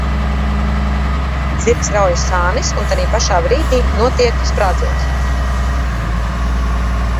Zirgs raujas sānis un tajā pašā brīdī notiek sprādziens.